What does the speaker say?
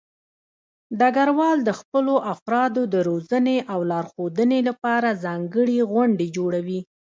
ډګروال د خپلو افرادو د روزنې او لارښودنې لپاره ځانګړې غونډې جوړوي.